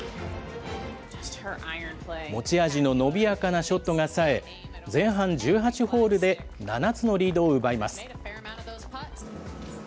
持ち味の伸びやかなショットがさえ、前半１８ホールで７つのリードを奪います。